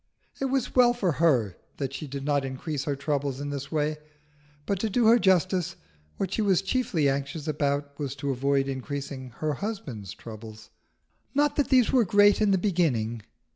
It was well for her that she did not increase her troubles in this way; but to do her justice, what she was chiefly anxious about was to avoid increasing her husband's troubles. Not that these were great in the beginning.